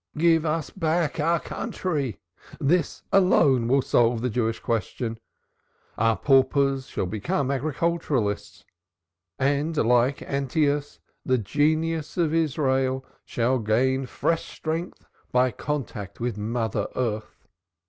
Give us back our country; this alone will solve the Jewish question. Our paupers shall become agriculturists, and like Antaeus, the genius of Israel shall gain fresh strength by contact with mother earth.